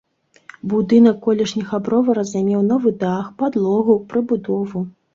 Будынак колішняга бровара займеў новы дах, падлогу, прыбудову.